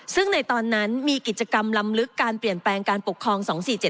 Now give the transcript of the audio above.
ซึ่งในตอนนั้นมีกิจกรรมลำลึกการเปลี่ยนแปลงการปกครอง๒๔๗